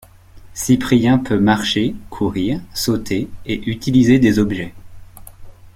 Cyprien peut marcher, courir, sauter, et utiliser des objets.